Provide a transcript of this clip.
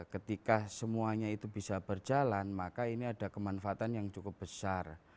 ketika semuanya itu bisa berjalan maka ini ada kemanfaatan yang cukup besar